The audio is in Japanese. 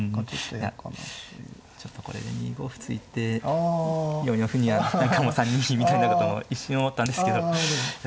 いやちょっとこれで２五歩突いて４四歩には何かもう３二銀みたいなことも一瞬思ったんですけどいや